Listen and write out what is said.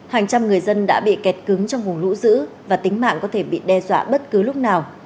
hàng trăm người dân đã bị kẹt cứng trong vùng lũ dữ và tính mạng có thể bị đe dọa bất cứ lúc nào